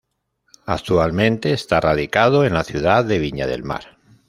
Actualmente está radicado en la ciudad de Viña del Mar.